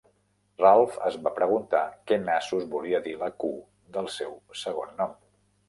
Ralph es va preguntar què nassos volia dir la Q del seu segon nom.